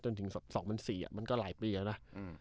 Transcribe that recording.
จนถึงสองพันสี่อ่ะมันก็หลายปีแล้วน่ะอืม